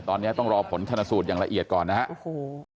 ตอนนี้ต้องรอผลชนสูตรอย่างละเอียดก่อนนะฮะโอ้โห